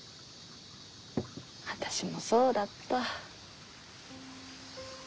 私もそうだった。